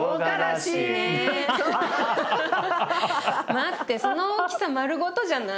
待ってその大きさ丸ごとじゃない？